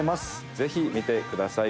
「ぜひ見てください！」